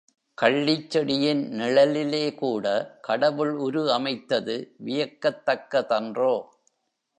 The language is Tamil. கள்ளிச் செடியின் நிழலிலேகூட கடவுள் உரு அமைத்தது வியக்கத்தக்க தன்றோ?